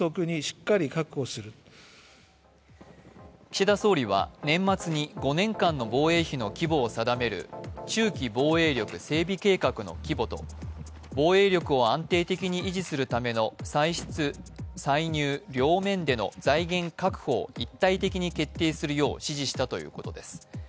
岸田総理は年末に５年間の防衛費の規模を定める中期防衛力整備計画の規模と防衛力を安定的に維持するための歳出歳入両面での財源確保を一体的に決定するよう指示したということです。